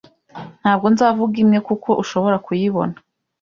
Ntabwo nzavuga imwe kuko ushobora kuyibona